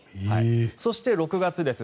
そして、６月です。